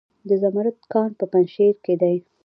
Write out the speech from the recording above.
د زمرد کان په پنجشیر کې دی